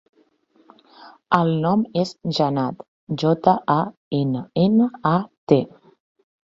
El nom és Jannat: jota, a, ena, ena, a, te.